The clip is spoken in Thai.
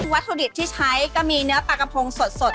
วัตถุดิบที่ใช้ก็มีเนื้อปลากระพงสด